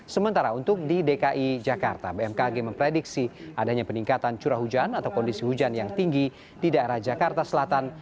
sementara untuk di dki jakarta bmkg memprediksi adanya peningkatan curah hujan atau kondisi hujan yang tinggi di daerah jakarta selatan